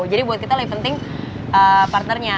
jadi buat kita lebih penting partnernya